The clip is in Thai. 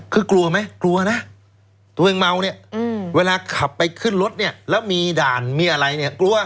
คือกลัวไหมกลัวนะตัวเองเมาเนี่ยเวลาขับไปขึ้นรถเนี่ยแล้วมีด่านมีอะไรเนี่ยกลัว